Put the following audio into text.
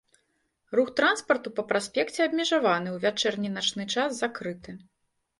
Рух транспарту па праспекце абмежаваны, у вячэрні і начны час закрыты.